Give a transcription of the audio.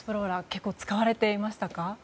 結構、使われていましたか？